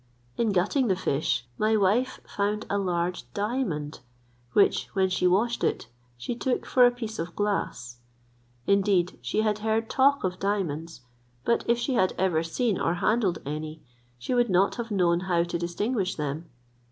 In gutting the fish, my wife found a large diamond, which, when she washed it, she took for a piece of glass: indeed she had heard talk of diamonds, but if she had ever seen or handled any she would not have known how to distinguish them.